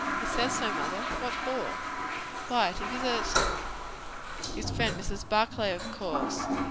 "He says so, mother." "What for?" "Why, to visit his friend Mrs. Barclay, of course."